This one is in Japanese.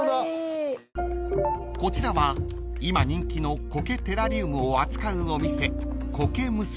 ［こちらは今人気の苔テラリウムを扱うお店］